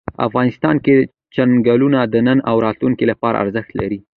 افغانستان کې چنګلونه د نن او راتلونکي لپاره ارزښت لري.